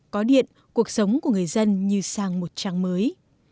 có điện cuộc sống của người dân như sang một trang mới